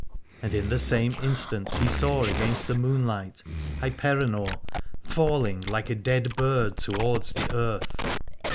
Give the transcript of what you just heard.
And in the same instant he saw against the moonlight Hyperenor, falling like a dead bird towards the earth.